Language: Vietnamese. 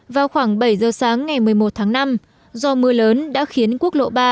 vào khoảng bảy giờ sáng ngày một mươi một tháng năm do mưa lớn đã khiến quốc lộ ba